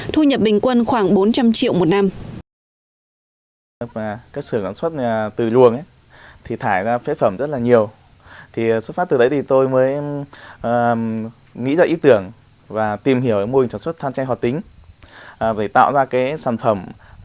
thu nhập bình quân khoảng bốn trăm linh triệu một năm